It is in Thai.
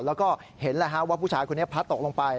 แล้วก็เห็นแล้วว่าผู้ชายคนนี้พัดตกลงไป